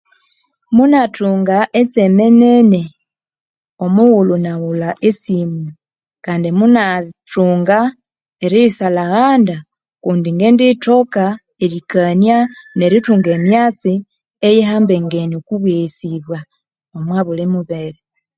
Munathunga etseme nene omughulhu ngaghulha esimu yaghe ngandi munathunga eriyisalhaghanda kundi ngethunga emyatsi yengulhakulhana